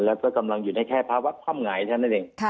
แล้วก็กำลังอยู่ในแค่ภาวะความหงายเท่านั้นเอง